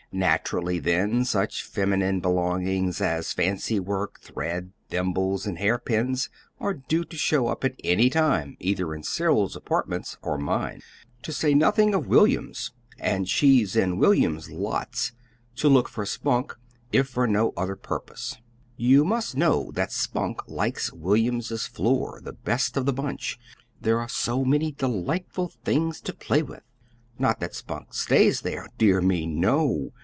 Naturally, then, such feminine belongings as fancy work, thread, thimbles, and hairpins are due to show up at any time either in Cyril's apartments or mine to say nothing of William's; and she's in William's lots to look for Spunk, if for no other purpose. "You must know that Spunk likes William's floor the best of the bunch, there are so many delightful things to play with. Not that Spunk stays there dear me, no.